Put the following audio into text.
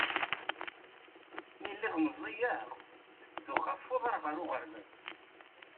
Mi lliɣ meẓẓiyeɣ, tedduɣ ɣef uḍar ɣer uɣerbaz.